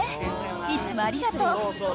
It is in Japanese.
いつもありがとう。